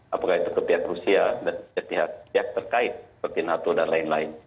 apakah itu ketiak rusia dan ketiak terkait seperti nato dan lain lain